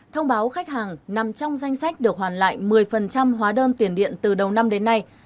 thông báo khách hàng nằm trong danh sách được hoàn lại một mươi hóa đơn tiền điện từ đầu năm đến nay